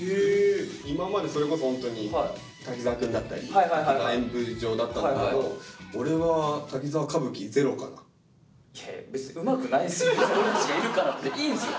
今までそれこそホントに滝沢くんだったり「滝沢演舞城」だったんだけど俺はいやいや別にうまくないっすよ。